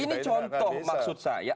ini contoh maksud saya